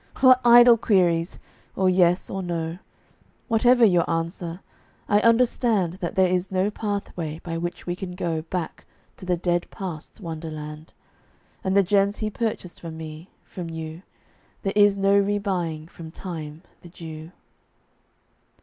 What idle queries! or yes or no Whatever your answer, I understand That there is no pathway by which we can go Back to the dead past's wonderland; And the gems he purchased from me, from you, There is no rebuying from Time, the Jew.